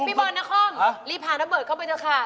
พี่บอลนครรีบพาน้ำเบิร์ตเข้าไปเถอะค่ะ